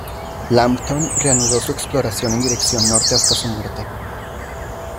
Lambton reanudó su exploración en dirección norte hasta su muerte.